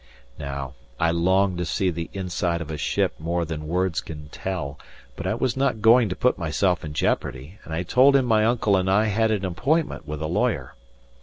Now, I longed to see the inside of a ship more than words can tell; but I was not going to put myself in jeopardy, and I told him my uncle and I had an appointment with a lawyer.